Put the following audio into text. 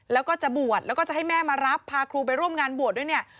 แล้วก็จะบวชแล้วก็จะให้แม่มารับพาครูไปร่วมงานบวชด้วยเนี่ย